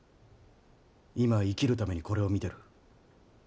今は生きるためにこれを見てる。